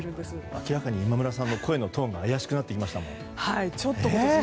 明らかに今村さんの声のトーンが怪しくなってきましたもん。